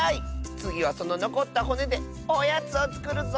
つぎはそののこったほねでおやつをつくるぞ！